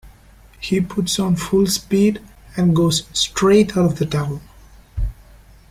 He puts on full speed and goes straight out of the town.